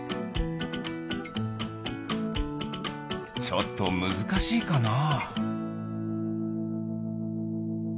ちょっとむずかしいかな？